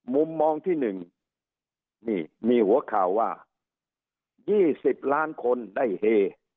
มุมมองที่๑นี่มีหัวข่าวว่า๒๐ล้านคนได้เฮ